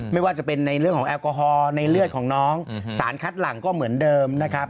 ไม่ว่าจะเป็นในเรื่องของแอลกอฮอลในเลือดของน้องสารคัดหลังก็เหมือนเดิมนะครับ